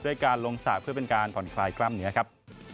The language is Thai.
การลงสระเพื่อเป็นการผ่อนคลายกล้ามเนื้อครับ